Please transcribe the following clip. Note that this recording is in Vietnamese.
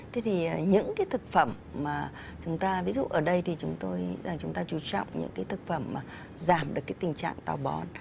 thế thì những cái thực phẩm mà chúng ta ví dụ ở đây thì chúng tôi chúng ta chú trọng những cái thực phẩm mà giảm được cái tình trạng tàu bón